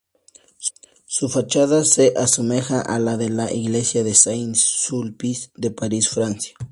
Su fachada se asemeja a la de la Iglesia de Saint-Sulpice de París, Francia.